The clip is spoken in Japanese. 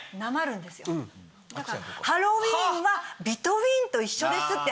「ハロウィーン」は「ビトウィーン」と一緒ですって。